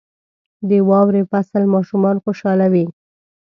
• د واورې فصل ماشومان خوشحالوي.